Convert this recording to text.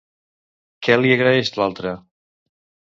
Què li agraeix l'altre?